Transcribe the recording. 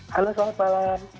halo selamat malam